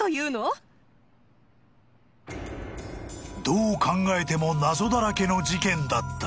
［どう考えても謎だらけの事件だった］